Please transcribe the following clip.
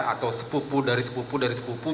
atau sepupu dari sepupu